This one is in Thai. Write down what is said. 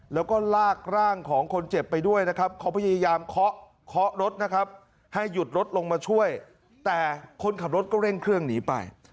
แล้วก็ลากร่างของคนเจ็บไปด้วยนะครับเขาพยายามเคาะเคาะรถนะครับให้หยุดรถลงมาช่วยแต่คนขับรถก็เร่งเครื่องหนีไป